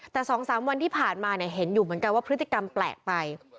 แต่๒๓วันที่ผ่านมาเห็นอยู่เหมือนกันว่าพฤติกรรมแปลกไป